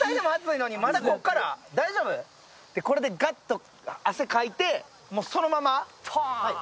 これでガッと汗かいて、そのまま。